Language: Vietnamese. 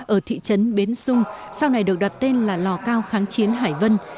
ở thị trấn bến xung sau này được đặt tên là lò cao kháng chiến hải vân